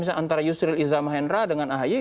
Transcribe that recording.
misalnya antara yusril izzah mahendra dengan ahaye